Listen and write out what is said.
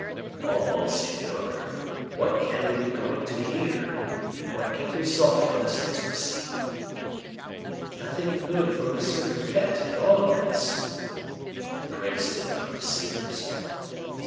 Oh, monseigneur! what can we be going to hear and what can result from this intimacy?" "Nothing good for M. Fouquet, at all events." The prince did not deceive himself.